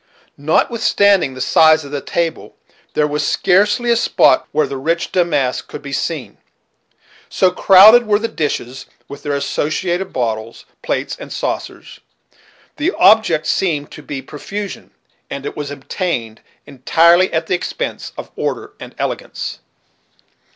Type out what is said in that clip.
Notwithstanding the size of the tables, there was scarcely a spot where the rich damask could be seen, so crowded were the dishes, with their associated bottles, plates, and saucers. The object seemed to be profusion, and it was obtained entirely at the expense of order and elegance.